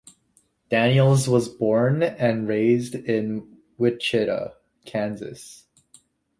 Daniels was born and raised in Wichita, Kansas.